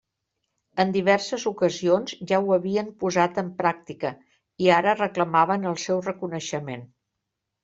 En diverses ocasions ja ho havien posat en pràctica i ara reclamaven el seu reconeixement.